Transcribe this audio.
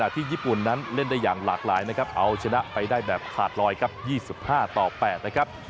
ที่ญี่ปุ่นนั้นเล่นได้อย่างหลากหลายนะครับเอาชนะไปได้แบบขาดลอยครับ๒๕ต่อ๘นะครับ